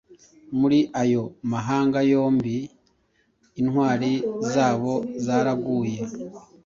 Muri ayo mahanga yombi intwari zabo zaraguye